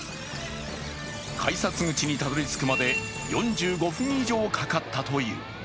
改札口にたどりつくまで４５分以上かかったという。